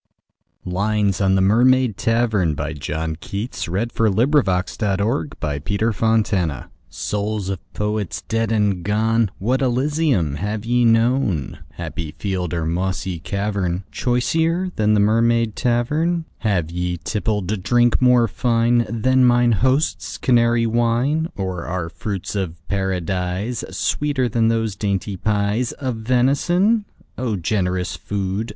Ye have souls in heaven too, Double lived in regions new! 40 LINES ON THE MERMAID TAVERN. Souls of Poets dead and gone, What Elysium have ye known, Happy field or mossy cavern, Choicer than the Mermaid Tavern? Have ye tippled drink more fine Than mine host's Canary wine? Or are fruits of Paradise Sweeter than those dainty pies Of venison? O generous food!